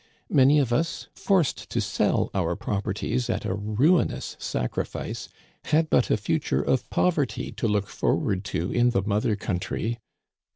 Many of us, forced to sell our proper ties at a ruinous sacrifice, had but a future of poverty to look forward to in the mother country.